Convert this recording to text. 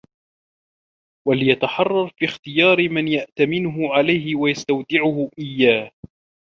وَلْيَتَحَرَّ فِي اخْتِيَارِ مَنْ يَأْتَمِنُهُ عَلَيْهِ وَيَسْتَوْدِعُهُ إيَّاهُ